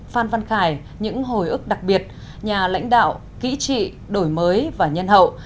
phan văn khải những hồi ức đặc biệt nhà lãnh đạo kỹ trị đổi mới và nhân hậu